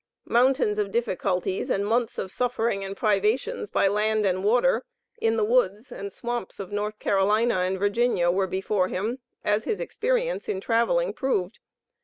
Mountains of difficulties, and months of suffering and privations by land and water, in the woods, and swamps of North Carolina and Virginia, were before him, as his experience in traveling proved.